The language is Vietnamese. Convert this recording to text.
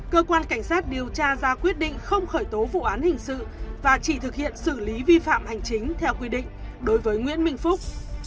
cơ quan cảnh sát điều tra ra quyết định không khởi tố vụ án hình sự và chỉ thực hiện xử lý vi phạm hành chính theo quy định đối với nguyễn minh phúc